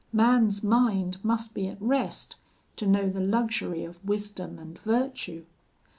Man's mind must be at rest, to know the luxury of wisdom and virtue.